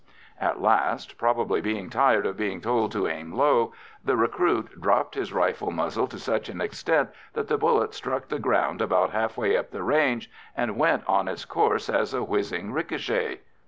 At last, probably being tired of being told to aim low, the recruit dropped his rifle muzzle to such an extent that the bullet struck the ground about half way up the range and went on its course as a whizzing ricochet.